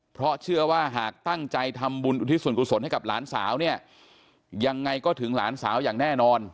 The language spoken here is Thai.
เพราะเชื่อว่าหากตั้งใจทำบุญอุทิศส่วนกุศลให้กับหลานสาวเนี่ยยังไงก็ถึงหลานสาวอย่างแน่นอน